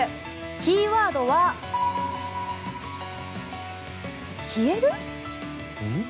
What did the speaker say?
キーワードは、消える？